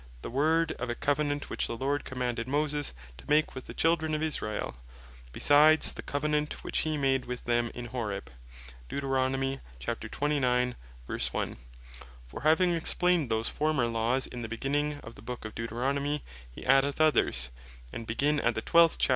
1.) "The words of a Covenant which the Lord commanded Moses to make with the Children of Israel, besides the Covenant which he made with them in Horeb." For having explained those former Laws, in the beginning of the Book of Deuteronomy, he addeth others, that begin at the 12. Cha.